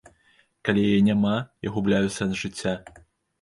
Калі яе няма, я губляю сэнс жыцця.